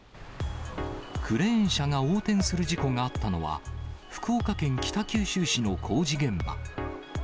クレーン車が横転する事故があったのは、福岡県北九州市の工事現場。